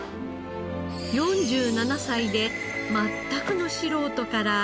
４７歳で全くの素人から枝豆農家に。